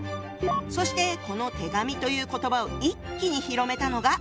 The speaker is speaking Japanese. そしてこの手紙という言葉を一気に広めたのが！